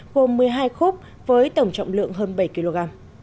gồm một mươi hai khúc với tổng trọng lượng hơn bảy kg